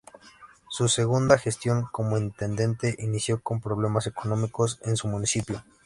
Su segunda gestión como intendente inició con problemas económicos en su municipio.